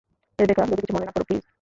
Rebecca, যদি কিছু মনে না করো, প্লিজ?